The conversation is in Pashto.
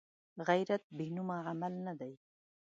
غیرت بېنومه عمل نه دی